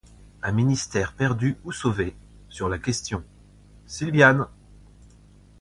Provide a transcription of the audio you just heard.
Un ministère perdu ou sauvé, sur la question Silviane!